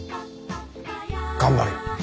頑張るよ！